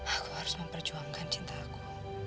aku harus memperjuangkan cintaku